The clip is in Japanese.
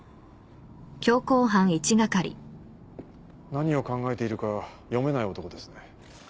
何を考えているか読めない男ですね。